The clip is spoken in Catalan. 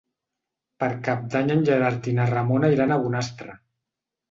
Per Cap d'Any en Gerard i na Ramona iran a Bonastre.